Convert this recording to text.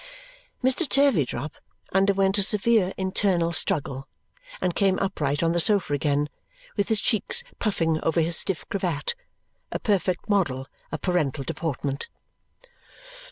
Mr. Turveydrop underwent a severe internal struggle and came upright on the sofa again with his cheeks puffing over his stiff cravat, a perfect model of parental deportment.